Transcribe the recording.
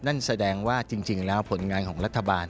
นั่นแสดงว่าจริงแล้วผลงานของรัฐบาล